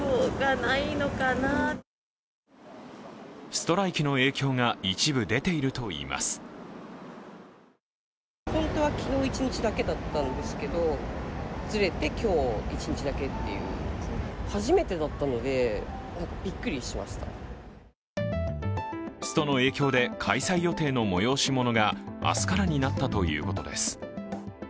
ストライキの影響が一部出ているといいますストの影響で開催予定の催し物が明日からになったということです。